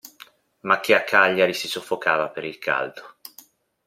Ma che a Cagliari si soffocava per il caldo.